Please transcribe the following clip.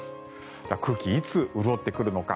空気、いつ潤ってくるのか。